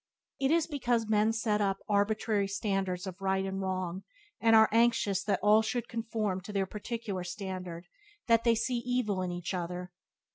It is because men setup arbitrary standards of right and wrong, and are anxious that all should conform to their particular standard, that they see evil in each other.